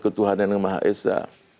ketuhanan yang maha esa